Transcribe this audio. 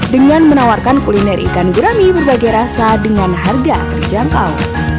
dengan menawarkan kuliner ikan gurami berbagai rasa dengan harga terjangkau